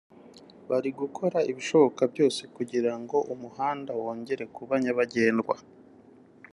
bari gukora ibishoboka byose kugira ngo umuhanda wongere kuba nyabagendwa